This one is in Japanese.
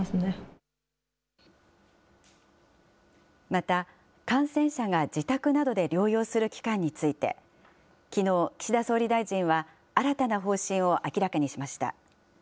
また、感染者が自宅などで療養する期間について、きのう、岸田総理大臣は新たな方針を明らかにしました。